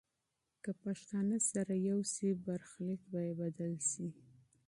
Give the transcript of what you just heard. که پښتانه سره یو شي، برخلیک به یې بدل شي.